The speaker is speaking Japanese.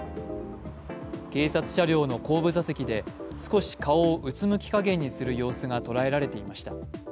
警察車両の後部座席で少し顔をうつむき加減にする様子がとらえられていました。